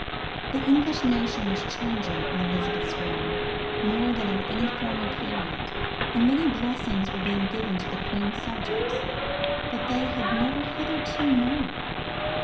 The English nation was changing in Elizabeth's reign more than in any former period, and many blessings were being given to the Queen's subjects that they had never hitherto known.